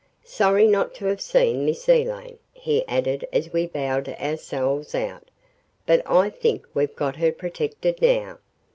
"Sorry not to have seen Miss Elaine," he added as we bowed ourselves out, "but I think we've got her protected now."